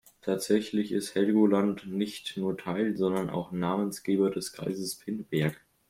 Tatsächlich ist Helgoland nicht nur Teil, sondern auch Namensgeber des Kreises Pinneberg.